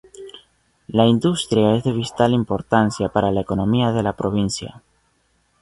La industria es de vital importancia para la economía de la provincia.